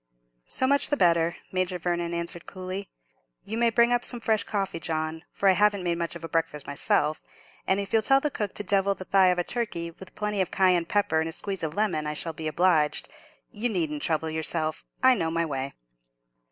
"So much the better," Major Vernon answered, coolly. "You may bring up some fresh coffee, John; for I haven't made much of a breakfast myself; and if you'll tell the cook to devil the thigh of a turkey, with plenty of cayenne pepper and a squeeze of lemon, I shall be obliged. You needn't trouble yourself; I know my way."